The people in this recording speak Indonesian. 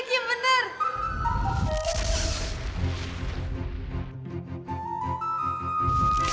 gue bakal nyurut dia